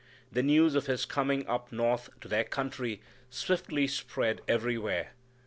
The news of His coming up north to their country swiftly spread everywhere.